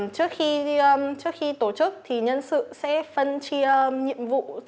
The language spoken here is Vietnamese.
thì trước khi tổ chức thì nhân sự sẽ phân chia nhiệm vụ